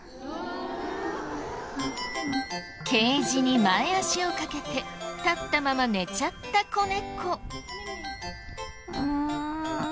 ケージに前脚をかけて立ったまま寝ちゃった子猫。